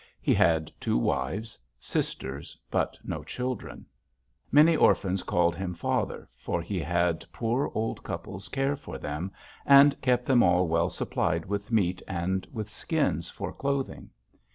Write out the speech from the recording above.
He had two wives, sisters, but no children. Many orphans called him father, for he had poor old couples care for them, and kept them all well supplied with meat and with skins for clothing.